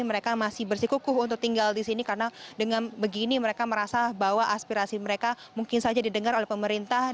mereka masih bersikukuh untuk tinggal di sini karena dengan begini mereka merasa bahwa aspirasi mereka mungkin saja didengar oleh pemerintah